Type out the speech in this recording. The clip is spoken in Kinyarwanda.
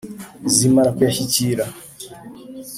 zimara kuyashyikira